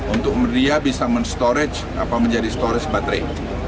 untuk dia bisa menjadi storage baterai